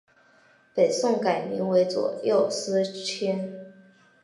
北宋改名为左右司谏。